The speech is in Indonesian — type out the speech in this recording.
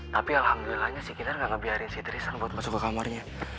tapi alhamdulillahnya si kinar ga ngebiarin si tristan buat masuk ke kamarnya